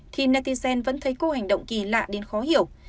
thì natis vẫn thấy cô hành động kỳ lạ đến khó hiểu